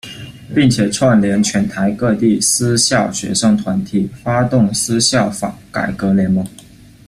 并且串连全台各地私校学生团体，发动私校法改革联盟。